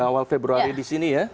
awal februari di sini ya